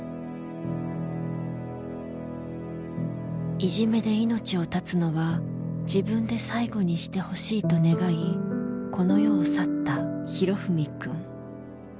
いじめで命を絶つのは自分で最後にしてほしいと願いこの世を去った裕史くん。